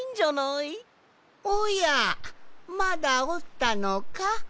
おやまだおったのか？